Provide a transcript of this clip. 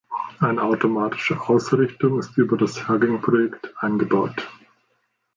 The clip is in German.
Eine automatische Ausrichtung ist über das Hugin-Projekt eingebaut.